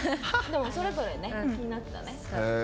でも、それぞれ気になってたね。